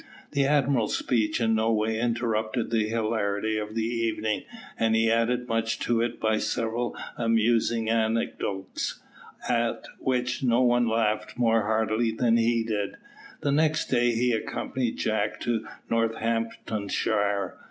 The Admiral's speech in no way interrupted the hilarity of the evening, and he added much to it by several amusing anecdotes, at which no one laughed more heartily than he did. The next day he accompanied Jack to Northamptonshire.